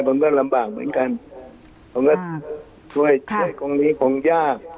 มันก็ลำบากเหมือนกันผมก็ช่วยช่วยตรงนี้คงยาก